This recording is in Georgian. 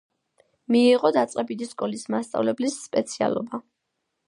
მიიღო დაწყებითი სკოლის მასწავლებლის სპეციალობა.